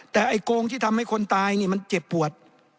แต่ไอ้โกงที่ทำให้คนตายนี่มันเจ็บปวด